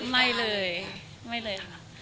ไม่เลยไม่เลยค่ะ